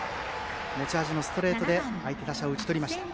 持ち味のストレートで相手打者を打ち取りました。